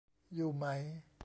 อยู่ไหม